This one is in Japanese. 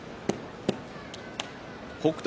北勝